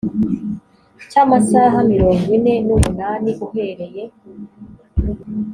cy amasaha mirongo ine n umunani uhereye